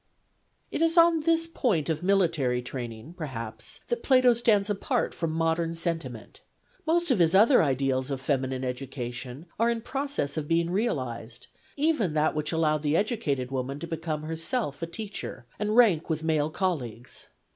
It is on this point of military training, perhaps, that Plato stands apart from modern sentiment : most of his other ideals of feminine education are in process of being realised, even that which allowed the educated woman to become herself a teacher, and rank with male colleagues.